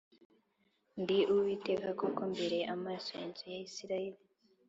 ndi Uwiteka kuko mbereye amaso inzu ya Isirayeli